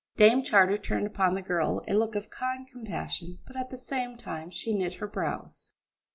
Dame Charter turned upon the girl a look of kind compassion, but at the same time she knit her brows.